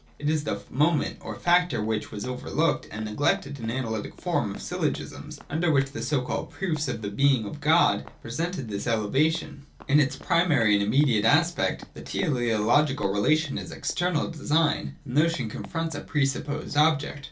It is the 'moment' or factor which (as noticed in the Introduction and § 192) was overlooked and neglected in the analytic form of syllo gisms, under which the so called proofs of the Being of a God presented this elevation. 205.] In its primary and immediate aspect the Teleo logical relation is external design, and the notion con fronts a pre supposed object.